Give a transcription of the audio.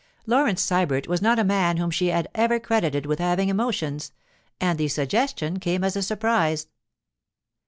Laurence Sybert was not a man whom she had ever credited with having emotions, and the suggestion came as a surprise.